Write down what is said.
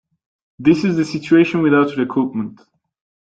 This is the situation without recoupment.